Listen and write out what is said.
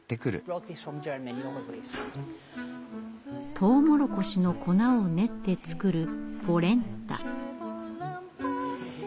トウモロコシの粉を練って作るポレンタ。